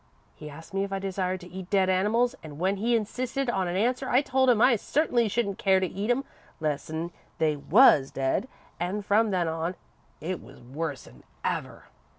He asked me if I desired to eat dead animals, an' when he insisted on an answer, I told him I certainly shouldn't care to eat 'em less'n they was dead, and from then on it was worse 'n ever.